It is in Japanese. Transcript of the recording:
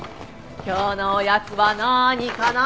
今日のおやつは何かな？